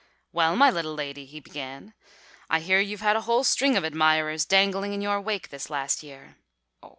"Well, my little lady," he began. "I hear you've had a whole string of admirers dangling in your wake this last year.